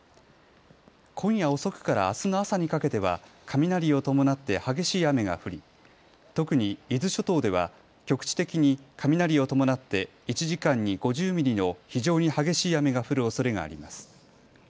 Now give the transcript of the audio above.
今夜遅くからあすの朝にかけては雷を伴って激しい雨が降り特に伊豆諸島では局地的に雷を伴って１時間に５０ミリの非常に激しい雨が降るおそれがあります。